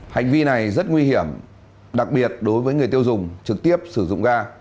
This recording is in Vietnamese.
hành vi này rất nguy hiểm đặc biệt đối với người tiêu dùng trực tiếp sử dụng ga